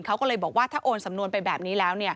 เขาก็เลยบอกว่าถ้าโอนสำนวนไปแบบนี้แล้ว